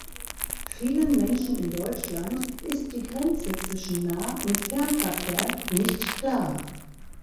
Vielen Menschen in Deutschland ist die Grenze zwischen Nah- und Fernverkehr nicht klar.